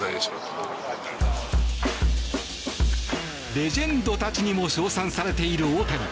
レジェンドたちにも称賛されている大谷。